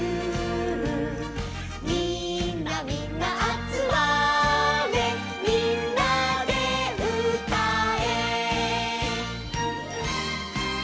「みんなみんなあつまれ」「みんなでうたえ」